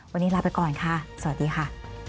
วันนี้ลาไปก่อนค่ะสวัสดีค่ะ